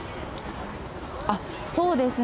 そうですね。